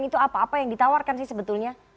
itu apa apa yang ditawarkan sih sebetulnya